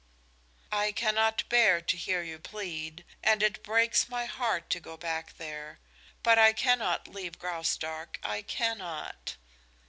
"I cannot bear to hear you plead, and it breaks my heart to go back there. But I cannot leave Graustark I cannot!